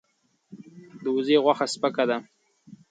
د وزې غوښه سپکه ده.